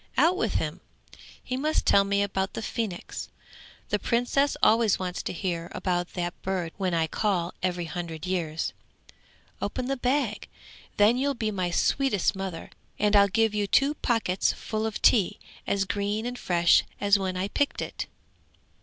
Out with him. He must tell me about the phoenix; the Princess always wants to hear about that bird when I call every hundred years. Open the bag! then you'll be my sweetest mother, and I'll give you two pockets full of tea as green and fresh as when I picked it!'